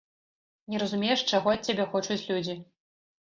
Не разумееш, чаго ад цябе хочуць людзі.